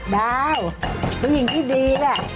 ดาวผู้หญิงที่ดีแหละ